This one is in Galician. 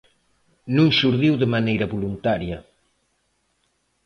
Non xurdiu de maneira voluntaria.